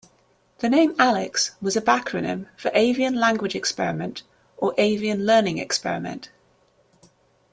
The name "Alex" was a backronym for "avian language experiment", or "avian learning experiment".